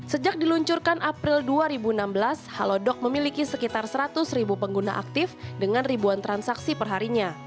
sejak diluncurkan april dua ribu enam belas halodoc memiliki sekitar seratus ribu pengguna aktif dengan ribuan transaksi perharinya